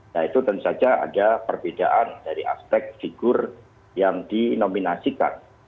nah itu tentu saja ada perbedaan dari aspek figur yang dinominasikan